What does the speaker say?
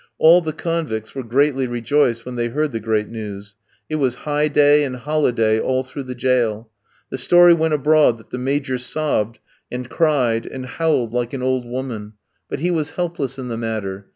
All the convicts were greatly rejoiced when they heard the great news; it was high day and holiday all through the jail. The story went abroad that the Major sobbed, and cried, and howled like an old woman. But he was helpless in the matter.